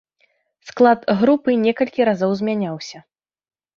Склад групы некалькі разоў змяняўся.